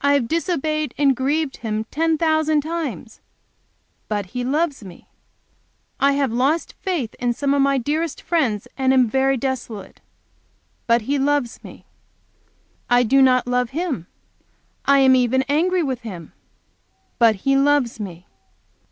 I have disobeyed and grieved Him ten thousand times. But He loves me! I have lost faith in some of my dearest friends and am very desolate. But He loves me! I do not love Him, I am even angry with Him! But He loves me!